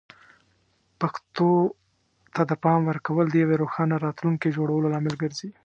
پښتو ته د پام ورکول د یوې روښانه راتلونکې جوړولو لامل ګرځي.